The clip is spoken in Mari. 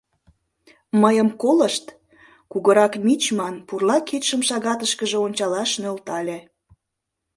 — Мыйым колышт... — кугурак мичман пурла кидшым шагатышкыже ончалаш нӧлтале.